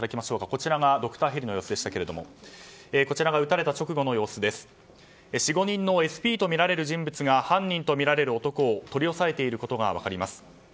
こちらがドクターヘリの様子でしたけども４５人のＳＰとみられる人物が犯人とみられる男を取り押さえていることが分かります。